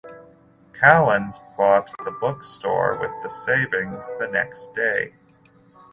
Callens bought the bookstore with the savings the next day.